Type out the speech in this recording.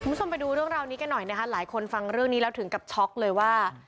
คุณผู้ชมไปดูเรื่องราวนี้กันหน่อยนะคะหลายคนฟังเรื่องนี้แล้วถึงกับช็อกเลยว่า